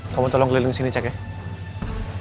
kamu tolong keliling sini cek ya